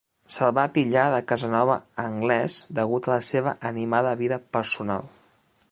Se'l va titllar de Casanova anglès degut a la seva animada vida personal.